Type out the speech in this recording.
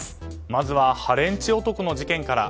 まずはハレンチ男の事件から。